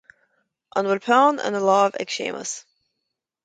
An bhfuil peann ina lámh ag Séamus